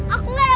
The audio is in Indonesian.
aku mau ke rumah